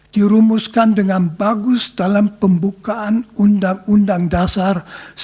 dirumuskan dengan bagus dalam pembukaan undang undang dasar seribu sembilan ratus empat puluh lima